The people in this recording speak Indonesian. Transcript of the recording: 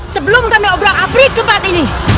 sebelum kami obrak afrik kembali